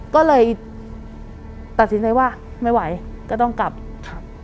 ก็เลยตัดสินใจว่าไม่ไหวก็ต้องกลับครับ